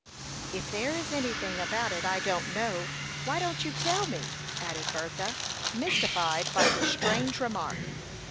"If there is anything about it I don't know, why don't you tell me?" added Bertha, mystified by his strange remark.